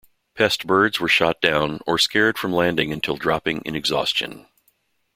Pest birds were shot down or scared from landing until dropping in exhaustion.